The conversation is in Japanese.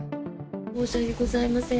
申し訳ございません。